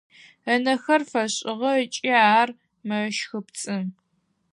Ынэхэр фэшӏыгъэ ыкӏи ар мэщхыпцӏы.